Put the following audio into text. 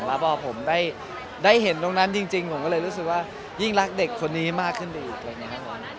แล้วพอผมได้เห็นตรงนั้นจริงผมก็เลยรู้สึกว่ายิ่งรักเด็กคนนี้มากขึ้นไปอีกอะไรอย่างนี้